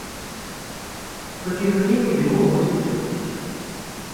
Толькі між імі мінула восем дзён.